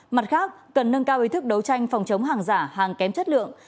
mặt khác cần nâng cao ý thức đấu tranh phòng chống hàng giả hàng kém chất lượng